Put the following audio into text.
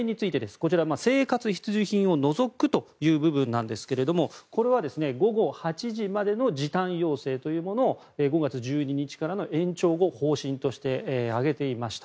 こちら、生活必需品を除くという部分なんですけれどもこれは午後８時までの時短要請というものを５月１２日からの延長を方針として挙げていました。